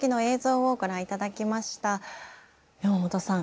山本さん